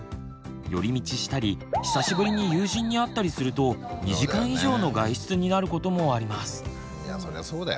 寄り道したり久しぶりに友人に会ったりすると２時間以上の外出になることもあります。